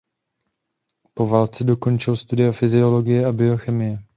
Po válce dokončil studia fyziologie a biochemie.